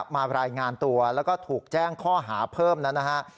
มารายงานตัวแล้วก็ถูกแจ้งข้อหาเพิ่มแล้วนะฮะ